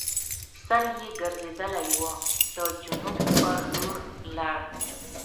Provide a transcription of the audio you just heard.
سر یې ګرځېدلی وو د جنوب پر لور لاړ.